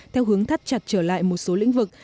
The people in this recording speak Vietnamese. theo hướng thắt chặt trở lại một số lĩnh vực